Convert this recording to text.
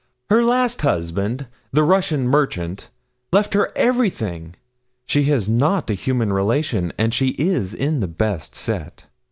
Her last husband, the Russian merchant, left her everything. She has not a human relation, and she is in the best set.'